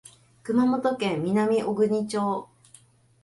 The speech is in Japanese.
熊本県南小国町